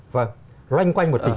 vâng loanh quanh một tỷ